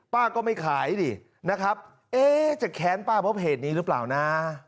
ป้าก็ไม่ขายดินะครับเอ๊ะจะแค้นป้าเพราะเพจนี้หรือเปล่านะ